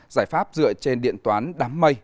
giải pháp dựa trên điện toán đám mây